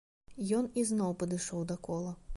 Ён ізноў падышоў да кола.